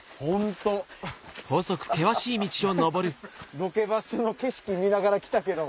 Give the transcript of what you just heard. ロケバスの景色見ながら来たけど。